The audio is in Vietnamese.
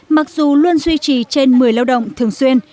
mặc dù luôn duy trì trên một mươi lao động thường xuyên